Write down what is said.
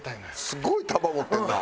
すごい束持ってるな。